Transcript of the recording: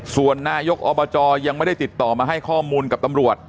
ส่วนนายกอบจยังไม่ได้ติดต่อมาให้ข้อมูลกับตำรวจ